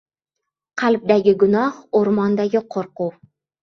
• Qalbdagi gunoh — o‘rmondagi qo‘rquv.